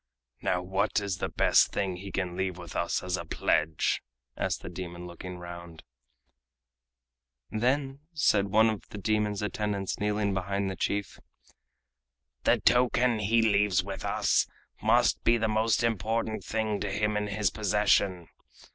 "Now what is the best thing he can leave with us as a pledge?" asked the demon, looking round. Then said one of the demon's attendants kneeling behind the chief: "The token he leaves with us must be the most important thing to him in his possession.